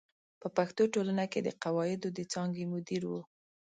په پښتو ټولنه کې د قواعدو د څانګې مدیر و.